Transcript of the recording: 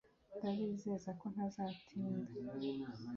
Ndabizeza ko ntazatinda